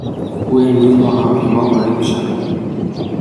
او امروز با هواپیما وارد میشود.